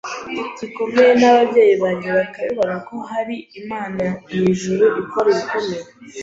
gikomeye n’ababyeyi banjye bakabibona ko hari Imana mu ijuru ikora ibikomeye,